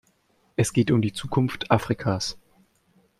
Es geht um die Zukunft Afrikas.